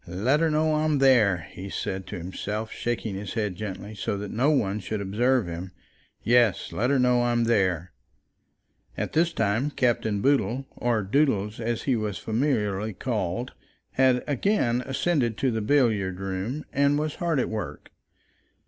"Let her know I'm there," he said to himself, shaking his head gently, so that no one should observe him; "yes, let her know I'm there." At this time Captain Boodle, or Doodles as he was familiarly called, had again ascended to the billiard room and was hard at work.